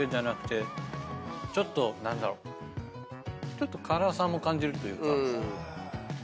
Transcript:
ちょっと辛さも感じるというか。